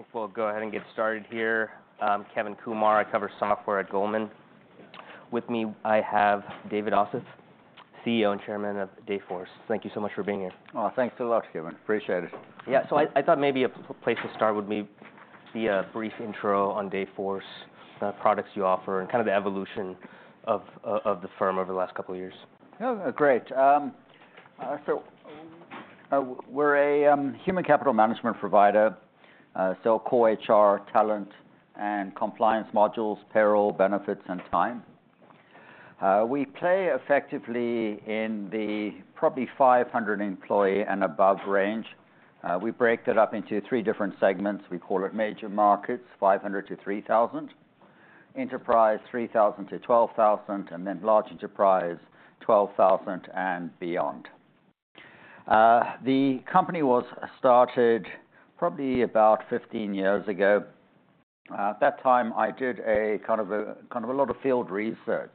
I think we'll go ahead and get started here. Kevin Kumar, I cover software at Goldman. With me, I have David Ossip, CEO and Chairman of Dayforce. Thank you so much for being here. Oh, thanks a lot, Kevin. Appreciate it. Yeah. So I thought maybe a place to start would be a brief intro on Dayforce, the products you offer, and kind of the evolution of the firm over the last couple of years. Oh, great. So, we're a human capital management provider, so core HR, talent, and compliance modules, payroll, benefits, and time. We play effectively in the probably 500-employee and above range. We break that up into three different segments. We call it major markets, 500-3,000, enterprise, 3,000-12,000, and then large enterprise, 12,000 and beyond. The company was started probably about 15 years ago. At that time, I did kind of a lot of field research,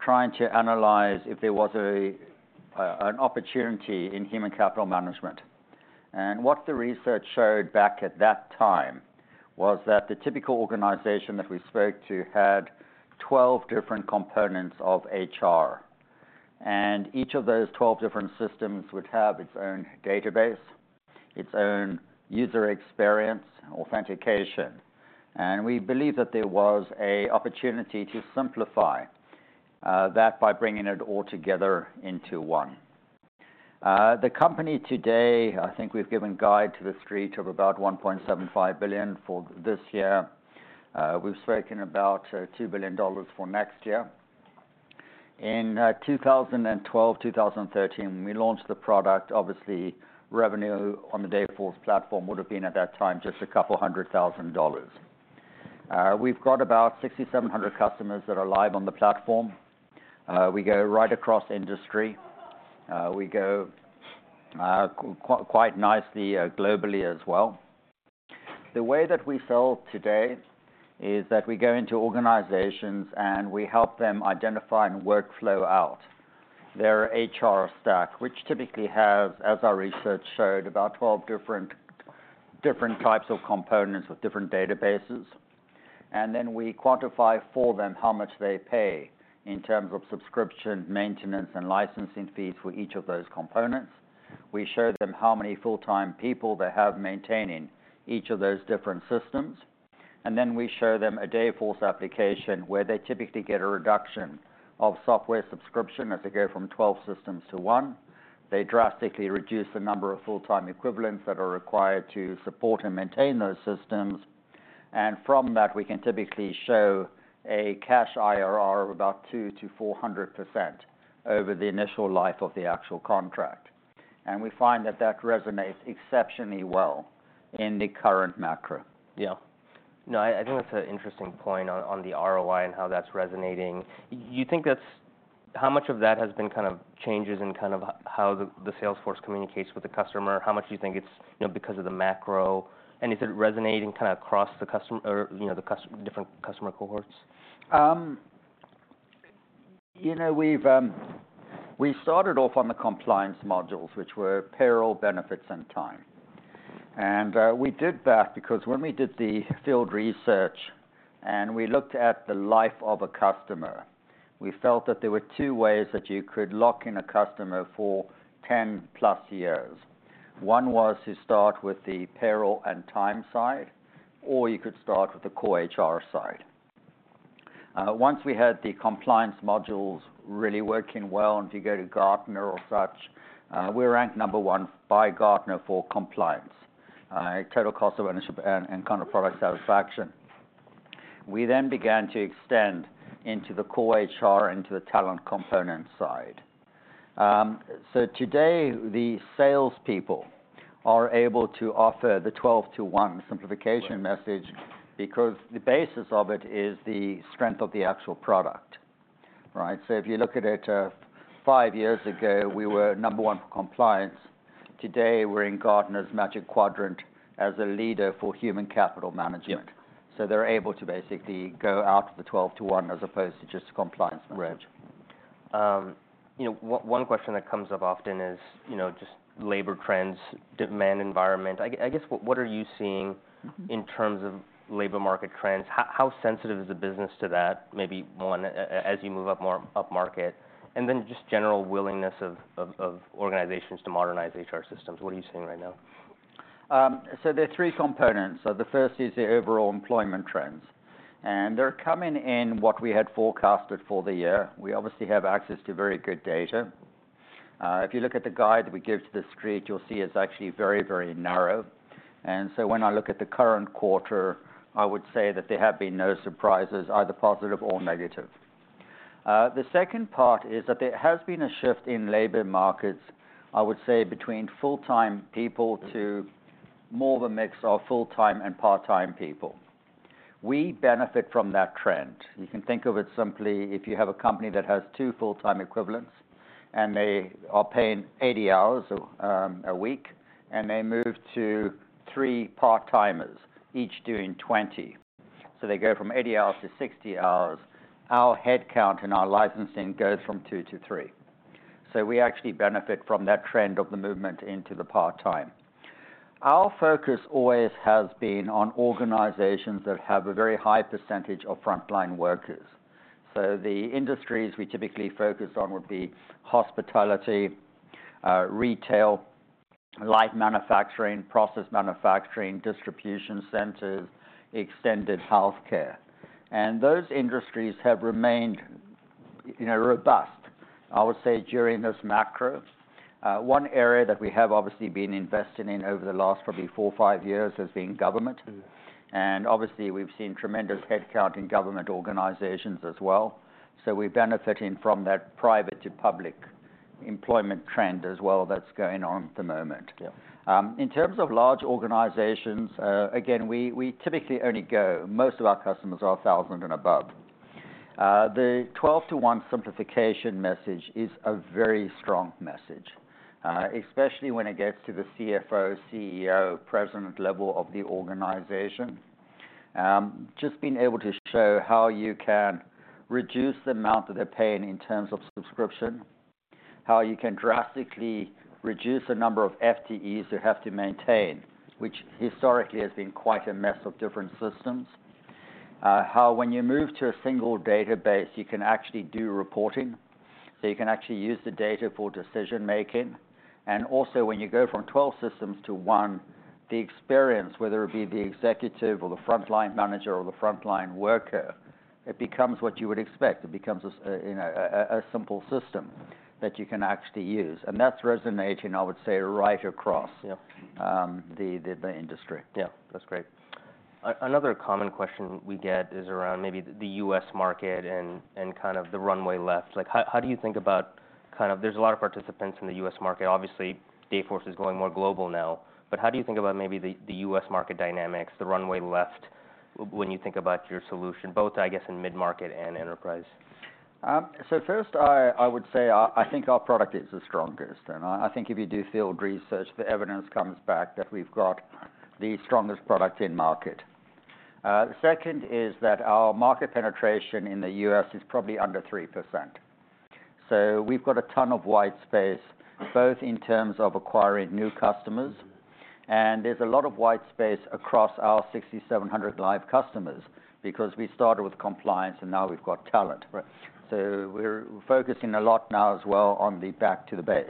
trying to analyze if there was an opportunity in human capital management. What the research showed back at that time was that the typical organization that we spoke to had twelve different components of HR, and each of those twelve different systems would have its own database, its own user experience, authentication. We believe that there was an opportunity to simplify that by bringing it all together into one. The company today, I think we've given guidance to the street of about $1.75 billion for this year. We've spoken about $2 billion for next year. In two thousand and twelve, two thousand and thirteen, we launched the product. Obviously, revenue on the Dayforce platform would have been, at that time, just $200,000. We've got about 6,700 customers that are live on the platform. We go right across industry. We go quite nicely globally as well. The way that we sell today is that we go into organizations, and we help them identify and workflow out their HR stack, which typically has, as our research showed, about 12 different types of components with different databases. Then we quantify for them how much they pay in terms of subscription, maintenance, and licensing fees for each of those components. We show them how many full-time people they have maintaining each of those different systems, and then we show them a Dayforce application, where they typically get a reduction of software subscription as they go from 12 systems to one. They drastically reduce the number of full-time equivalents that are required to support and maintain those systems. From that, we can typically show a cash IRR of about 200%-400% over the initial life of the actual contract. We find that that resonates exceptionally well in the current macro. Yeah. No, I think that's an interesting point on the ROI and how that's resonating. You think that's how much of that has been kind of changes in kind of how the sales force communicates with the customer? How much do you think it's, you know, because of the macro? And is it resonating kind of across the customer or, you know, different customer cohorts? You know, we've started off on the compliance modules, which were payroll, benefits, and time. And, we did that because when we did the field research and we looked at the life of a customer, we felt that there were two ways that you could lock in a customer for ten plus years. One was to start with the payroll and time side, or you could start with the Core HR side. Once we had the compliance modules really working well, and if you go to Gartner or such, we're ranked number one by Gartner for compliance, total cost of ownership and kind of product satisfaction. We then began to extend into the Core HR, into the talent component side. So today, the salespeople are able to offer the 12-to-1 simplification message- Right... because the basis of it is the strength of the actual product, right? So if you look at it, five years ago, we were number one for compliance. Today, we're in Gartner's Magic Quadrant as a leader for human capital management. Yeah. So they're able to basically go out to the twelve to one, as opposed to just compliance approach. Right. You know, one question that comes up often is, you know, just labor trends, demand environment. I guess, what are you seeing in terms of labor market trends? How sensitive is the business to that, maybe, as you move up more up market, and then just general willingness of organizations to modernize HR systems? What are you seeing right now? So there are three components. So the first is the overall employment trends, and they're coming in what we had forecasted for the year. We obviously have access to very good data. If you look at the guide we give to the street, you'll see it's actually very, very narrow, and so when I look at the current quarter, I would say that there have been no surprises, either positive or negative. The second part is that there has been a shift in labor markets, I would say, between full-time people to more of a mix of full-time and part-time people. We benefit from that trend. You can think of it simply, if you have a company that has two full-time equivalents, and they are paying 80 hours a week, and they move to three part-timers, each doing 20. So they go from eighty hours to sixty hours. Our headcount and our licensing goes from two to three. So we actually benefit from that trend of the movement into the part-time. Our focus always has been on organizations that have a very high percentage of frontline workers. So the industries we typically focus on would be hospitality, retail, light manufacturing, process manufacturing, distribution centers, extended healthcare. And those industries have remained, you know, robust, I would say, during this macro. One area that we have obviously been investing in over the last probably four or five years has been government. Mm-hmm. Obviously, we've seen tremendous headcount in government organizations as well. We're benefiting from that private to public employment trend as well that's going on at the moment. Yeah. In terms of large organizations, again, most of our customers are 1,000 and above. The 12-to-one simplification message is a very strong message, especially when it gets to the CFO, CEO, president level of the organization. Just being able to show how you can reduce the amount that they're paying in terms of subscription, how you can drastically reduce the number of FTEs you have to maintain, which historically has been quite a mess of different systems. How when you move to a single database, you can actually do reporting, so you can actually use the data for decision making, and also, when you go from 12 systems to one, the experience, whether it be the executive or the frontline manager or the frontline worker, it becomes what you would expect. It becomes a simple system that you can actually use. And that's resonating, I would say, right across- Yeah... the industry. Yeah, that's great. Another common question we get is around maybe the U.S. market and kind of the runway left. Like, how do you think about kind of there's a lot of participants in the U.S. market. Obviously, Dayforce is going more global now. But how do you think about maybe the U.S. market dynamics, the runway left, when you think about your solution, both, I guess, in mid-market and enterprise? So first, I would say I think our product is the strongest. And I think if you do field research, the evidence comes back that we've got the strongest product in market. The second is that our market penetration in the U.S. is probably under 3%. So we've got a ton of white space, both in terms of acquiring new customers, and there's a lot of white space across our 6,700 live customers, because we started with compliance, and now we've got talent. Right. So we're focusing a lot now as well on the back to the base.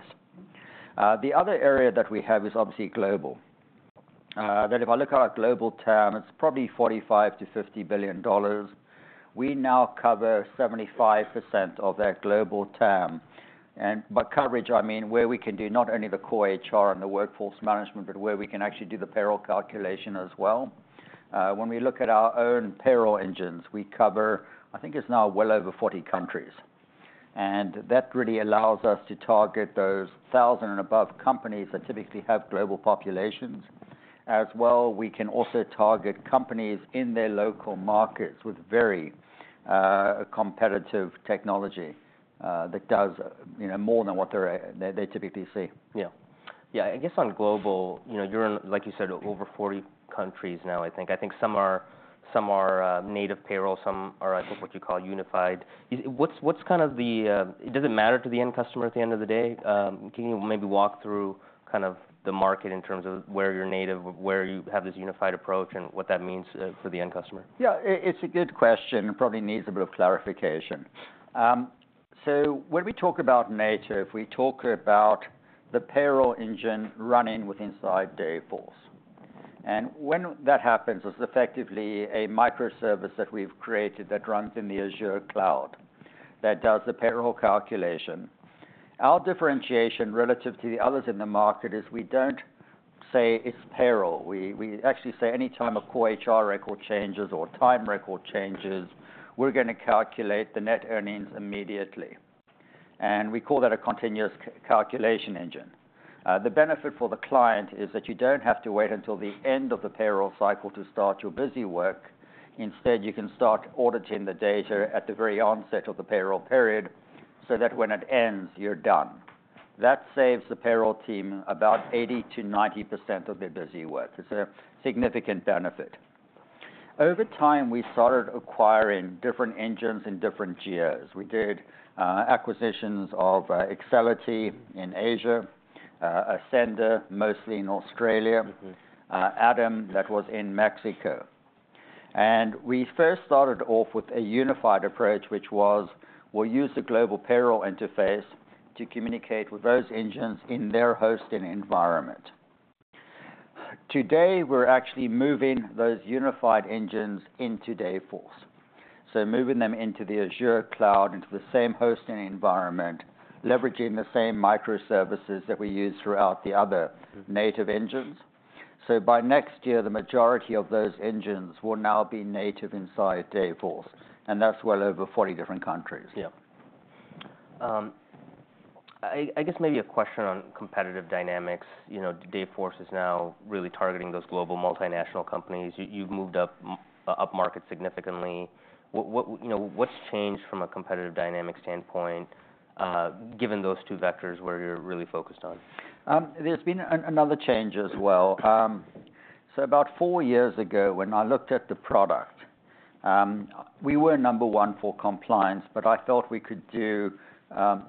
The other area that we have is obviously global. That, if I look at our global TAM, it's probably $45-$50 billion. We now cover 75% of that global TAM. And by coverage, I mean where we can do not only the Core HR and the workforce management, but where we can actually do the payroll calculation as well. When we look at our own payroll engines, we cover, I think it's now well over 40 countries. And that really allows us to target those 1,000 and above companies that typically have global populations. As well, we can also target companies in their local markets with very competitive technology that does, you know, more than what they typically see. Yeah. Yeah, I guess on global, you know, you're in, like you said, over forty countries now, I think. I think some are native payroll, some are, I think, what you call unified. What's kind of the... Does it matter to the end customer at the end of the day? Can you maybe walk through kind of the market in terms of where you're native, where you have this unified approach, and what that means for the end customer? Yeah, it's a good question. It probably needs a bit of clarification. So when we talk about native, we talk about the payroll engine running within Dayforce. And when that happens, it's effectively a microservice that we've created that runs in the Azure cloud, that does the payroll calculation. Our differentiation relative to the others in the market is we don't say it's payroll. We actually say anytime a core HR record changes or time record changes, we're going to calculate the net earnings immediately. And we call that a continuous calculation engine. The benefit for the client is that you don't have to wait until the end of the payroll cycle to start your busy work. Instead, you can start auditing the data at the very onset of the payroll period, so that when it ends, you're done. That saves the payroll team about 80%-90% of their busy work. It's a significant benefit. Over time, we started acquiring different engines in different geos. We did acquisitions of Excelity in Asia, Ascender, mostly in Australia- Mm-hmm ADAM, that was in Mexico. We first started off with a unified approach, which was, we'll use the Global Payroll Interface to communicate with those engines in their hosting environment. Today, we're actually moving those unified engines into Dayforce. So moving them into the Azure cloud, into the same hosting environment, leveraging the same microservices that we use throughout the other- Mm... native engines. So by next year, the majority of those engines will now be native inside Dayforce, and that's well over 40 different countries. Yeah. I guess maybe a question on competitive dynamics. You know, Dayforce is now really targeting those global multinational companies. You've moved up market significantly. What you know, what's changed from a competitive dynamic standpoint, given those two vectors where you're really focused on? There's been another change as well. So about four years ago, when I looked at the product, we were number one for compliance, but I felt we could do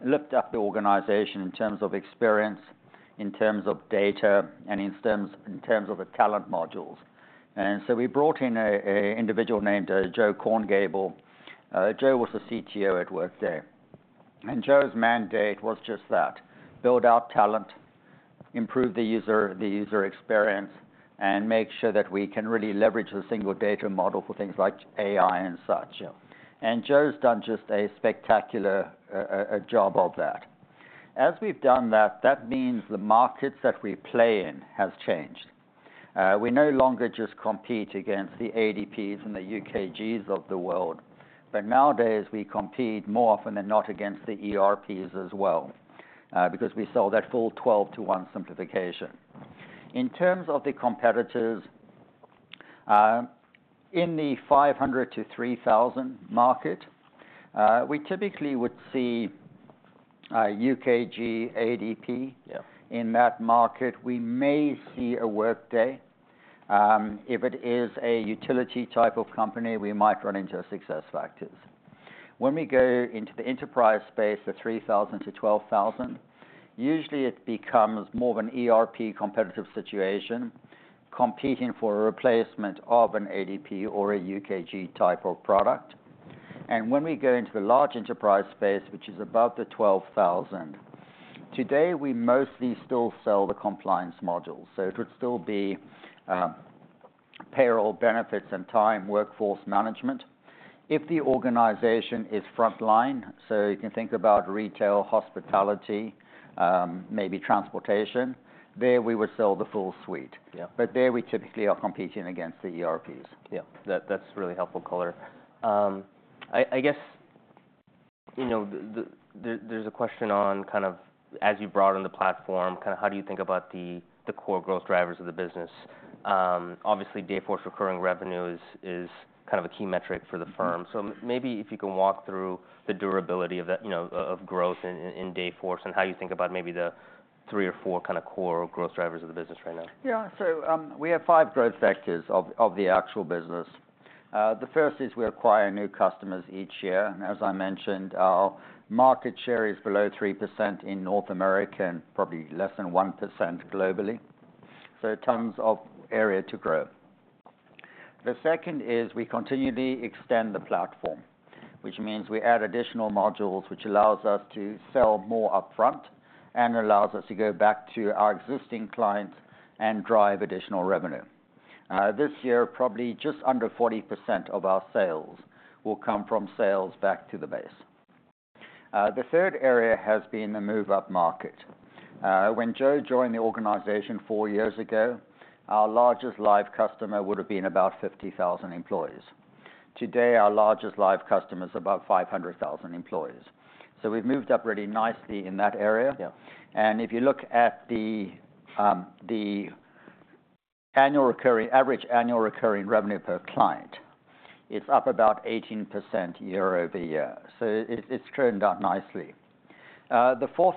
lift up the organization in terms of experience, in terms of data, and in terms of the talent modules. And so we brought in a individual named Joe Korngiebel. Joe was the CTO at Workday. And Joe's mandate was just that: build out talent, improve the user experience, and make sure that we can really leverage the single data model for things like AI and such. And Joe's done just a spectacular job of that. As we've done that, that means the markets that we play in has changed. We no longer just compete against the ADPs and the UKGs of the world, but nowadays, we compete more often than not against the ERPs as well, because we sell that full twelve to one simplification. In terms of the competitors, in the 500-3,000 market, we typically would see UKG, ADP- Yeah. - in that market. We may see a Workday. If it is a utility type of company, we might run into a SuccessFactors. When we go into the enterprise space, the three thousand to twelve thousand, usually it becomes more of an ERP competitive situation, competing for a replacement of an ADP or a UKG type of product. And when we go into the large enterprise space, which is above the twelve thousand, today, we mostly still sell the compliance module. So it would still be, payroll, benefits, and time workforce management. If the organization is frontline, so you can think about retail, hospitality, maybe transportation, there we would sell the full suite. Yeah. But there, we typically are competing against the ERPs. Yeah, that's really helpful color. I guess, you know, there's a question on kind of, as you brought on the platform, kinda how do you think about the core growth drivers of the business? Obviously, Dayforce recurring revenue is kind of a key metric for the firm. Mm-hmm. So maybe if you can walk through the durability of that, you know, of growth in Dayforce, and how you think about maybe the three or four kinda core growth drivers of the business right now? Yeah. So, we have five growth vectors of the actual business. The first is we acquire new customers each year. As I mentioned, our market share is below 3% in North America, and probably less than 1% globally, so tons of area to grow. The second is we continually extend the platform, which means we add additional modules, which allows us to sell more upfront and allows us to go back to our existing clients and drive additional revenue. This year, probably just under 40% of our sales will come from sales back to the base. The third area has been the move-up market. When Joe joined the organization four years ago, our largest live customer would have been about 50,000 employees. Today, our largest live customer is about 500,000 employees. We've moved up really nicely in that area. Yeah. And if you look at the average annual recurring revenue per client, it's up about 18% year-over-year, so it's turned out nicely. The fourth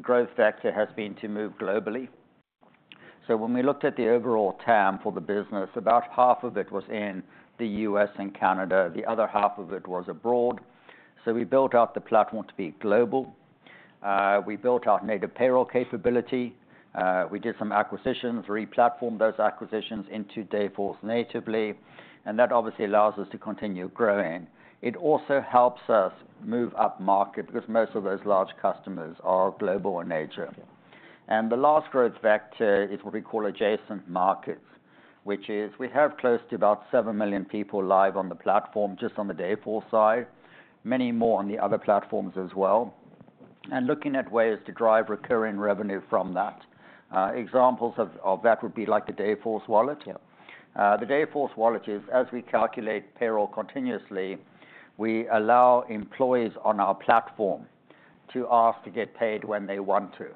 growth factor has been to move globally. So when we looked at the overall TAM for the business, about half of it was in the U.S. and Canada, the other half of it was abroad. So we built out the platform to be global. We built out native payroll capability, we did some acquisitions, replatformed those acquisitions into Dayforce natively, and that obviously allows us to continue growing. It also helps us move upmarket, because most of those large customers are global in nature. Yeah. And the last growth vector is what we call adjacent markets, which is we have close to about seven million people live on the platform, just on the Dayforce side, many more on the other platforms as well, and looking at ways to drive recurring revenue from that. Examples of that would be like the Dayforce Wallet. Yeah. The Dayforce Wallet is, as we calculate payroll continuously, we allow employees on our platform to ask to get paid when they want to.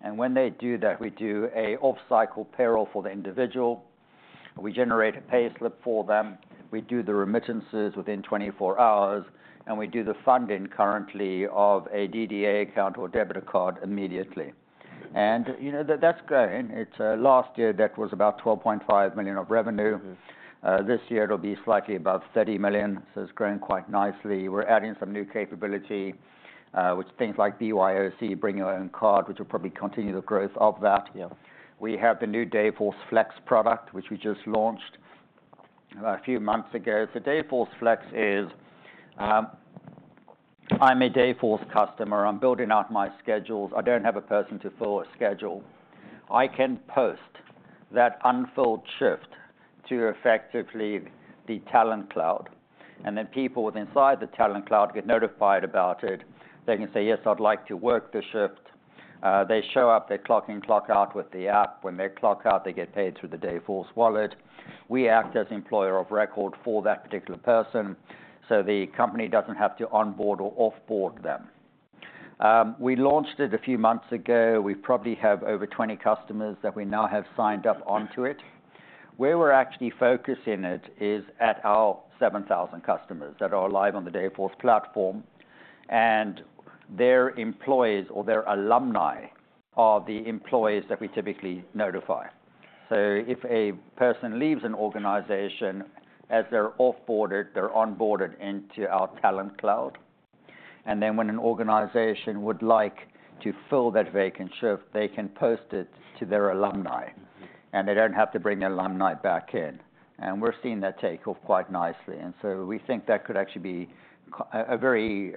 And when they do that, we do an off-cycle payroll for the individual, we generate a payslip for them, we do the remittances within twenty-four hours, and we do the funding currently of a DDA account or debit card immediately. And, you know, that, that's growing. It's last year, that was about $12.5 million of revenue. Mm-hmm. This year, it'll be slightly above $30 million, so it's growing quite nicely. We're adding some new capability, which things like BYOC, bring your own card, which will probably continue the growth of that. Yeah. We have the new Dayforce Flex product, which we just launched a few months ago, so Dayforce Flex is, I'm a Dayforce customer. I'm building out my schedules. I don't have a person to fill a schedule. I can post that unfilled shift to effectively the Talent Cloud, and then people inside the Talent Cloud get notified about it. They can say, "Yes, I'd like to work the shift." They show up, they clock in, clock out with the app. When they clock out, they get paid through the Dayforce Wallet. We act as employer of record for that particular person, so the company doesn't have to onboard or off-board them. We launched it a few months ago. We probably have over 20 customers that we now have signed up onto it. Where we're actually focusing it is at our seven thousand customers that are live on the Dayforce platform, and their employees or their alumni are the employees that we typically notify. So if a person leaves an organization, as they're off-boarded, they're onboarded into our Talent Cloud. And then when an organization would like to fill that vacancy, they can post it to their alumni, and they don't have to bring the alumni back in. And we're seeing that take off quite nicely, and so we think that could actually be a very,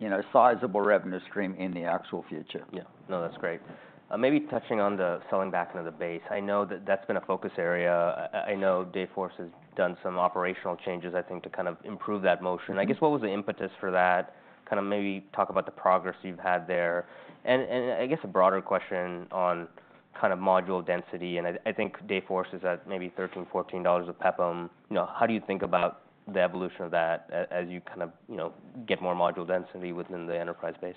you know, sizable revenue stream in the actual future. Yeah. No, that's great. Maybe touching on the selling back into the base. I know that that's been a focus area. I know Dayforce has done some operational changes, I think, to kind of improve that motion. Mm-hmm. I guess, what was the impetus for that? Kind of maybe talk about the progress you've had there. And I guess, a broader question on kind of module density, and I think Dayforce is at maybe $13-$14 a PEPPM. You know, how do you think about the evolution of that as you kind of, you know, get more module density within the enterprise base?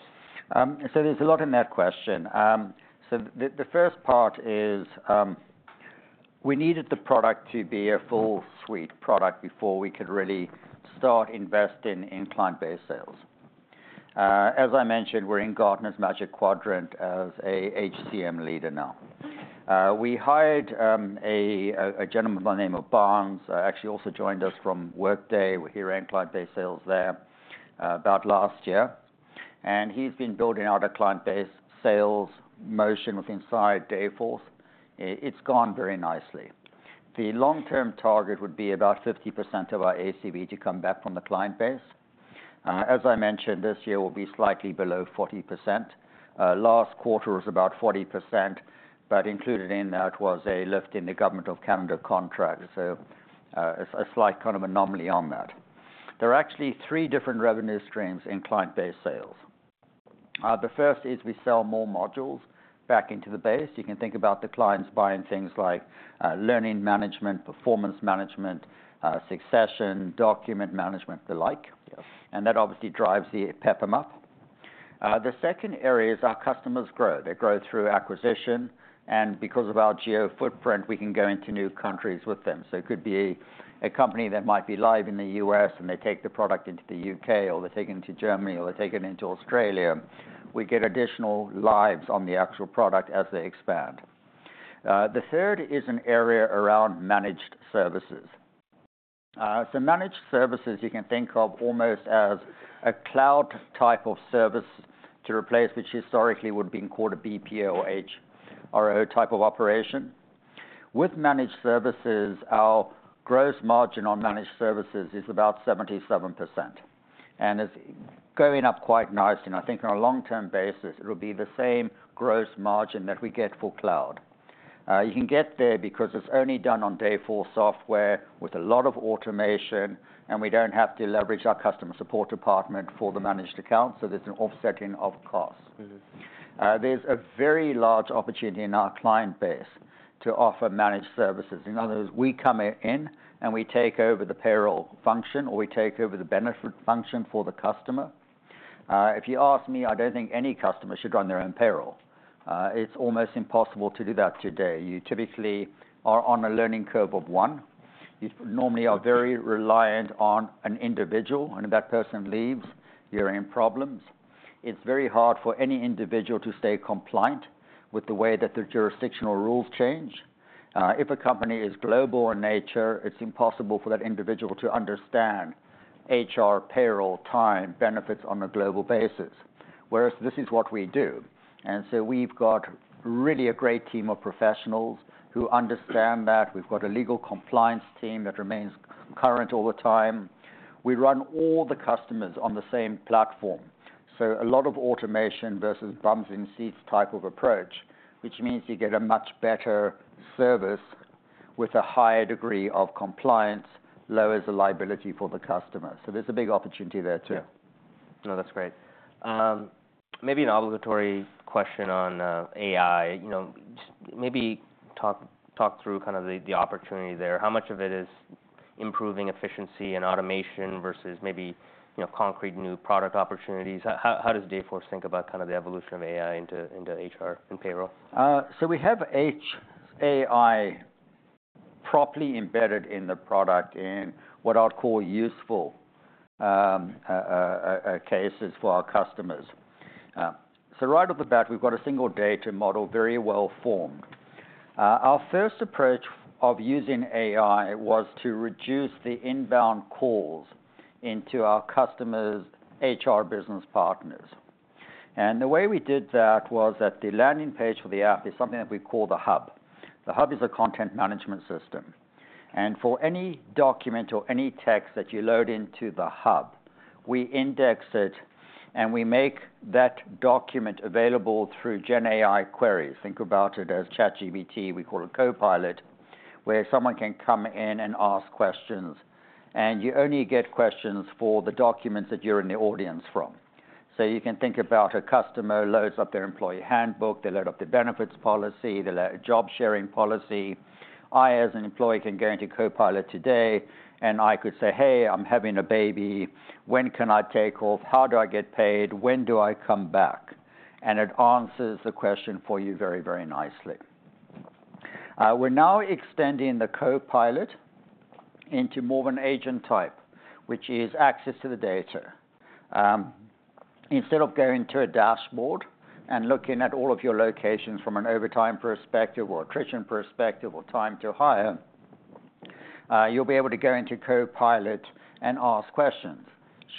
So there's a lot in that question. So the first part is, we needed the product to be a full suite product before we could really start investing in client-based sales. As I mentioned, we're in Gartner's Magic Quadrant as a HCM leader now. We hired a gentleman by the name of Barnes, actually also joined us from Workday. He ran client-based sales there, about last year, and he's been building out a client-based sales motion within Dayforce. It's gone very nicely. The long-term target would be about 50% of our ACB to come back from the client base. As I mentioned, this year will be slightly below 40%. Last quarter was about 40%, but included in that was a lift in the Government of Canada contract, so a slight kind of anomaly on that. There are actually three different revenue streams in client-base sales. The first is we sell more modules back into the base. You can think about the clients buying things like learning management, performance management, succession, document management, the like. Yes. That obviously drives the PEPPM up. The second area is our customers grow. They grow through acquisition, and because of our geo footprint, we can go into new countries with them. It could be a company that might be live in the U.S., and they take the product into the U.K., or they take it into Germany, or they take it into Australia. We get additional lives on the actual product as they expand. The third is an area around managed services. Managed services, you can think of almost as a cloud type of service to replace, which historically would have been called a BPO or a type of operation. With managed services, our gross margin on managed services is about 77%, and it's going up quite nicely. I think on a long-term basis, it'll be the same gross margin that we get for cloud. You can get there because it's only done on Dayforce software with a lot of automation, and we don't have to leverage our customer support department for the managed account, so there's an offsetting of costs. Mm-hmm. There's a very large opportunity in our client base to offer managed services. In other words, we come in and we take over the payroll function, or we take over the benefit function for the customer. If you ask me, I don't think any customer should run their own payroll. It's almost impossible to do that today. You typically are on a learning curve of one. You normally are very reliant on an individual, and if that person leaves, you're in problems. It's very hard for any individual to stay compliant with the way that the jurisdictional rules change. If a company is global in nature, it's impossible for that individual to understand HR, payroll, time, benefits on a global basis, whereas this is what we do. And so we've got really a great team of professionals who understand that. We've got a legal compliance team that remains current all the time. We run all the customers on the same platform, so a lot of automation versus bums in seats type of approach, which means you get a much better service with a higher degree of compliance, lowers the liability for the customer. So there's a big opportunity there, too. Yeah. No, that's great. Maybe an obligatory question on AI. You know, maybe talk through kind of the opportunity there. How much of it is improving efficiency and automation versus maybe, you know, concrete new product opportunities? How does Dayforce think about kind of the evolution of AI into HR and payroll? So we have AI properly embedded in the product, in what I'd call useful cases for our customers. So right off the bat, we've got a single data model, very well formed. Our first approach of using AI was to reduce the inbound calls into our customers' HR business partners. And the way we did that was that the landing page for the app is something that we call the Hub. The Hub is a content management system, and for any document or any text that you load into the Hub, we index it, and we make that document available through GenAI queries. Think about it as ChatGPT, we call it Copilot, where someone can come in and ask questions, and you only get questions for the documents that you're in the audience from. So you can think about a customer loads up their employee handbook, they load up the benefits policy, they load a job-sharing policy. I, as an employee, can go into Copilot today, and I could say, "Hey, I'm having a baby. When can I take off? How do I get paid? When do I come back?" And it answers the question for you very, very nicely.... We're now extending the Copilot into more of an agent type, which is access to the data. Instead of going to a dashboard and looking at all of your locations from an overtime perspective or attrition perspective, or time to hire, you'll be able to go into Copilot and ask questions.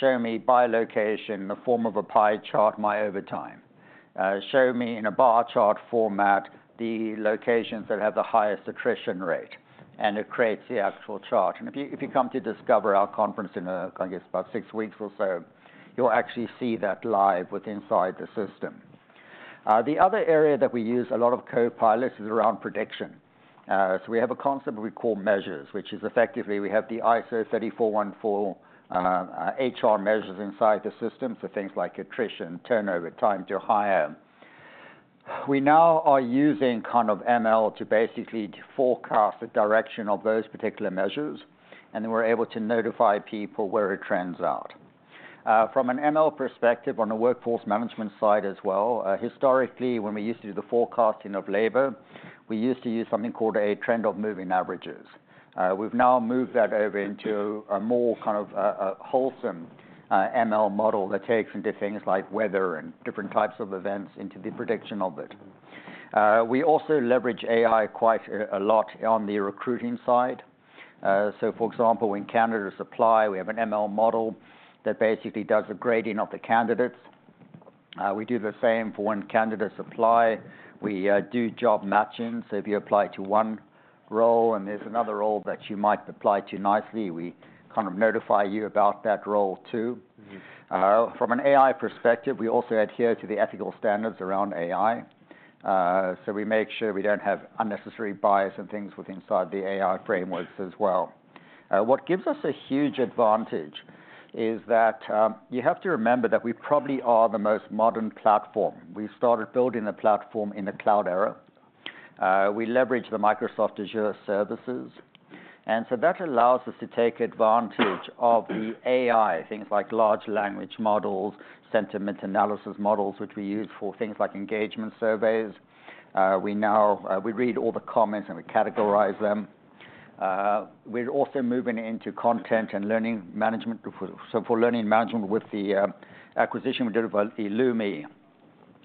Show me by location, in the form of a pie chart, my overtime." "Show me in a bar chart format, the locations that have the highest attrition rate," and it creates the actual chart. If you come to Discover, our conference in, I guess, about six weeks or so, you'll actually see that live within the system. The other area that we use a lot of copilots is around prediction. So we have a concept what we call measures, which is effectively we have the ISO 30414 HR measures inside the system for things like attrition, turnover, time to hire. We now are using kind of ML to basically forecast the direction of those particular measures, and then we're able to notify people where it trends out. From an ML perspective, on the workforce management side as well, historically, when we used to do the forecasting of labor, we used to use something called a trend of moving averages. We've now moved that over into a more kind of, wholesome, ML model, that takes into things like weather and different types of events into the prediction of it. We also leverage AI quite a lot on the recruiting side. So for example, when candidates apply, we have an ML model that basically does a grading of the candidates. We do the same for when candidates apply. We do job matching. So if you apply to one role, and there's another role that you might apply to nicely, we kind of notify you about that role, too. Mm-hmm. From an AI perspective, we also adhere to the ethical standards around AI. So we make sure we don't have unnecessary bias and things with inside the AI frameworks as well. What gives us a huge advantage is that, you have to remember that we probably are the most modern platform. We started building the platform in the cloud era. We leverage the Microsoft Azure services, and so that allows us to take advantage of the AI, things like large language models, sentiment analysis models, which we use for things like engagement surveys. We now read all the comments, and we categorize them. We're also moving into content and learning management. So for learning management, with the acquisition we did with eloomi,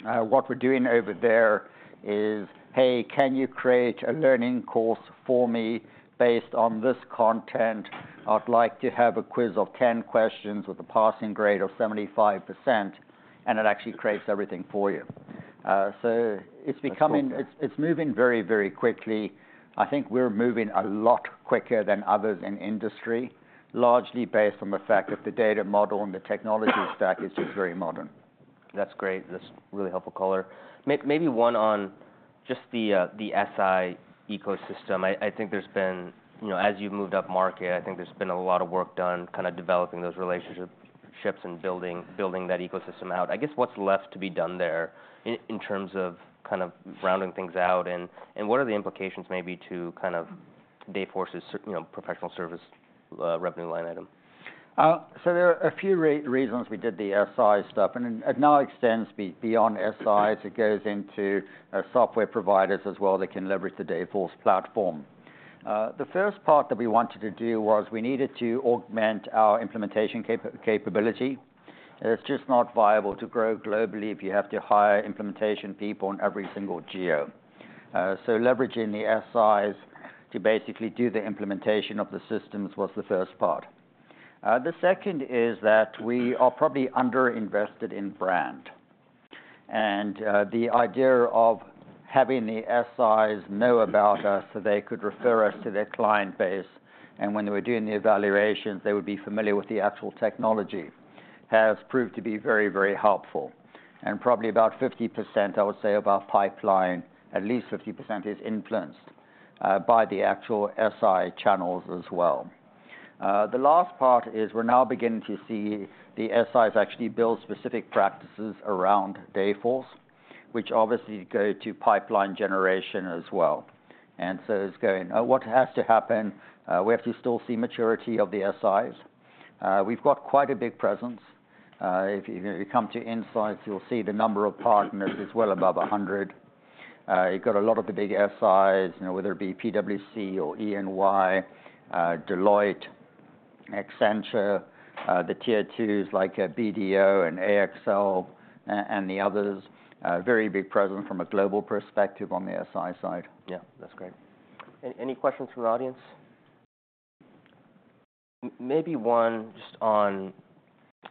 what we're doing over there is, "Hey, can you create a learning course for me based on this content? I'd like to have a quiz of ten questions with a passing grade of 75%," and it actually creates everything for you. So it's becoming- That's cool. It's moving very, very quickly. I think we're moving a lot quicker than others in industry, largely based on the fact that the data model and the technology stack is just very modern. That's great. That's really helpful color. Maybe one on just the SI ecosystem. I think there's been... You know, as you've moved up market, I think there's been a lot of work done kind of developing those relationships and building that ecosystem out. I guess what's left to be done there in terms of kind of rounding things out, and what are the implications maybe to kind of Dayforce's, you know, professional services revenue line item? So there are a few reasons we did the SI stuff, and it now extends beyond SIs. It goes into software providers as well that can leverage the Dayforce platform. The first part that we wanted to do was we needed to augment our implementation capability. It's just not viable to grow globally if you have to hire implementation people in every single geo. So leveraging the SIs to basically do the implementation of the systems was the first part. The second is that we are probably underinvested in brand, and the idea of having the SIs know about us, so they could refer us to their client base, and when they were doing the evaluations, they would be familiar with the actual technology, has proved to be very, very helpful. And probably about 50%, I would say, of our pipeline, at least 50%, is influenced by the actual SI channels as well. The last part is we're now beginning to see the SIs actually build specific practices around Dayforce, which obviously go to pipeline generation as well. And so it's going, what has to happen, we have to still see maturity of the SIs. We've got quite a big presence. If you come to Insights, you'll see the number of partners is well above 100. You've got a lot of the big SIs, you know, whether it be PwC or EY, Deloitte, Accenture, the tier twos, like BDO and AXL and the others. Very big presence from a global perspective on the SI side. Yeah, that's great. Any questions from the audience? Maybe one just on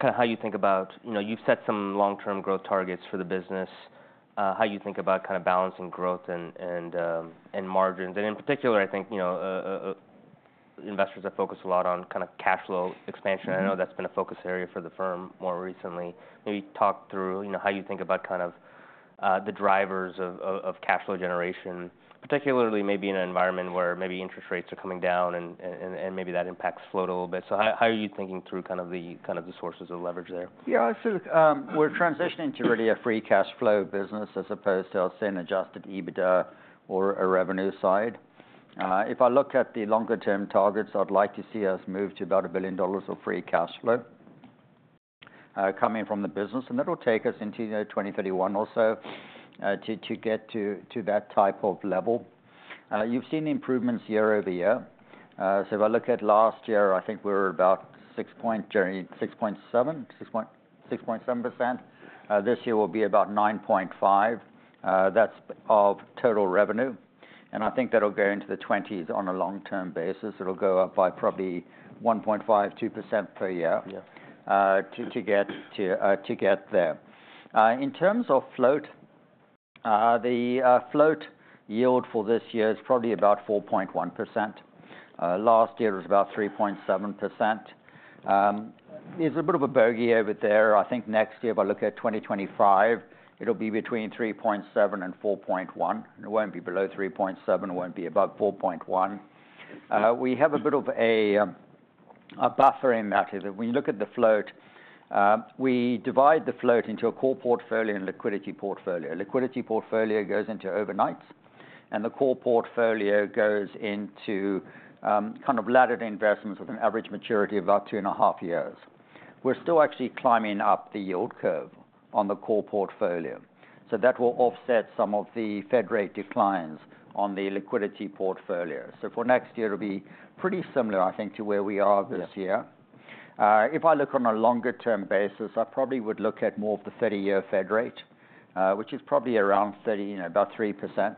kind of how you think about. You know, you've set some long-term growth targets for the business, how you think about kind of balancing growth and margins. And in particular, I think, you know, investors have focused a lot on kind of cash flow expansion. Mm-hmm. I know that's been a focus area for the firm more recently. Maybe talk through, you know, how you think about, kind of, the drivers of cash flow generation, particularly maybe in an environment where maybe interest rates are coming down and maybe that impacts float a little bit. So how are you thinking through kind of the sources of leverage there? Yeah, so, we're transitioning to really a free cash flow business, as opposed to saying Adjusted EBITDA or a revenue side. If I look at the longer-term targets, I'd like to see us move to about $1 billion of free cash flow coming from the business, and that'll take us into, you know, 2031 or so, to get to that type of level. You've seen improvements year over year, so if I look at last year, I think we were about 6.7%. This year will be about 9.5%, that's of total revenue, and I think that'll go into the 20s on a long-term basis. It'll go up by probably 1.5%-2% per year. Yes. To get there. In terms of float, the float yield for this year is probably about 4.1%. Last year, it was about 3.7%. It's a bit of a bogey over there. I think next year, if I look at 2025, it'll be between 3.7% and 4.1%. It won't be below 3.7%, it won't be above 4.1%. We have a bit of a buffer in that, is that when you look at the float, we divide the float into a core portfolio and liquidity portfolio. Liquidity portfolio goes into overnights, and the core portfolio goes into kind of laddered investments with an average maturity of about 2.5 years. We're still actually climbing up the yield curve on the core portfolio, so that will offset some of the Fed rate declines on the liquidity portfolio. So for next year, it'll be pretty similar, I think, to where we are this year. Yes. If I look on a longer term basis, I probably would look at more of the thirty-year Fed rate, which is probably around 3%, you know, about 3%.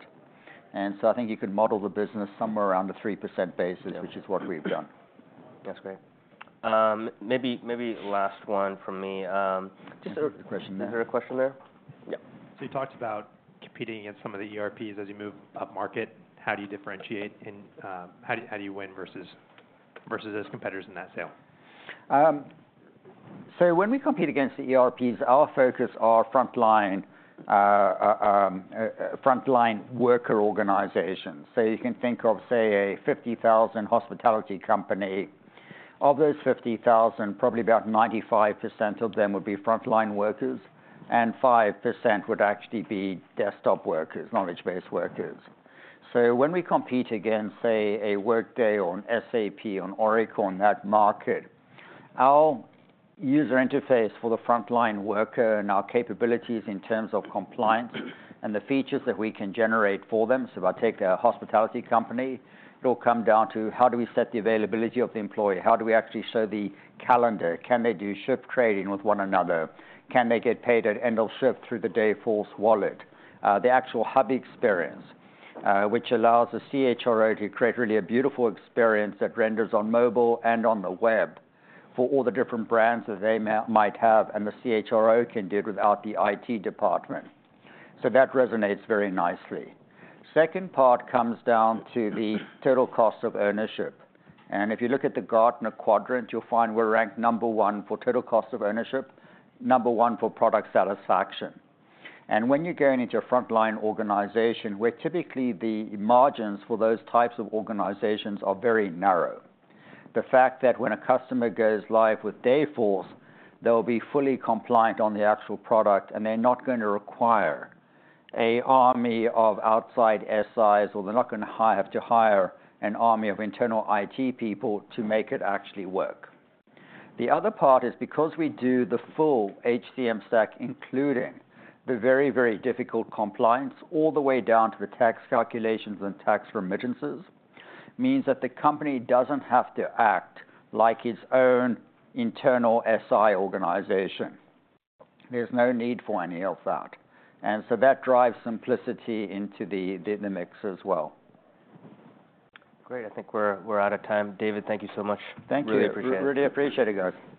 And so I think you could model the business somewhere around a 3% basis, which is what we've done. That's great. Maybe, maybe last one from me. Just a- Question. Is there a question there? Yeah. So you talked about competing against some of the ERPs as you move upmarket. How do you differentiate and how do you win versus those competitors in that sale? So when we compete against the ERPs, our focus are frontline worker organizations. So you can think of, say, a 50,000 hospitality company. Of those 50,000, probably about 95% of them would be frontline workers, and 5% would actually be desktop workers, knowledge-based workers. So when we compete against, say, a Workday or an SAP or an Oracle in that market, our user interface for the frontline worker and our capabilities in terms of compliance and the features that we can generate for them. So if I take a hospitality company, it'll come down to: How do we set the availability of the employee? How do we actually show the calendar? Can they do shift trading with one another? Can they get paid at end of shift through the Dayforce Wallet? The actual Hub experience, which allows the CHRO to create really a beautiful experience that renders on mobile and on the web for all the different brands that they might have, and the CHRO can do it without the IT department. So that resonates very nicely. Second part comes down to the total cost of ownership, and if you look at the Gartner quadrant, you'll find we're ranked number one for total cost of ownership, number one for product satisfaction. And when you're going into a frontline organization, where typically the margins for those types of organizations are very narrow, the fact that when a customer goes live with Dayforce, they'll be fully compliant on the actual product, and they're not gonna require an army of outside SIs, or they're not gonna have to hire an army of internal IT people to make it actually work. The other part is because we do the full HCM stack, including the very, very difficult compliance, all the way down to the tax calculations and tax remittances, means that the company doesn't have to act like its own internal SI organization. There's no need for any of that, and so that drives simplicity into the mix as well. Great. I think we're out of time. David, thank you so much. Thank you. Really appreciate it. Really appreciate it, guys.